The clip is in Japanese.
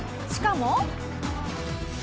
しかも。